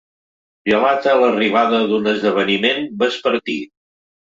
Dilata l'arribada d'un esdeveniment vespertí.